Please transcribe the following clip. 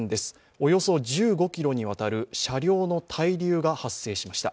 およそ１５ｋｍにわたる車両の滞留が発生しました。